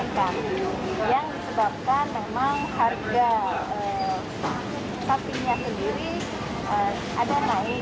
tapi yang disebabkan memang harga sapinya sendiri ada naik